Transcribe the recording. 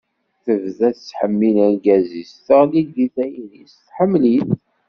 Tebda tettḥemmil argaz-is, teɣli di tayri-s, tḥemmel-it.